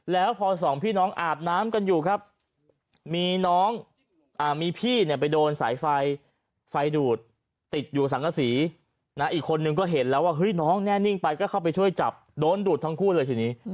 แล้วพอสองพี่น้องอาบน้ำกันอยู่ครับมีน้องมีพี่เนี่ยไปโดนสายไฟไฟดูดติดอยู่สังกษีอีกคนนึงก็เห็นแล้วว่าเฮ้ยน้องแน่นิ่งไปก็เข้าไปช่วยจับโดนดูดทั้งคู่เลยทีนี้